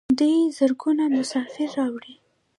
دوی زرګونه مسافر راوړي.